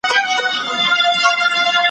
یا به دی پخپله غل وي یا یې پلار خلک شکولي ,